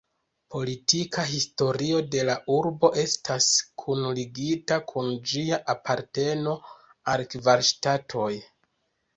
Politika historio de la urbo estas kunligita kun ĝia aparteno al kvar ŝtatoj.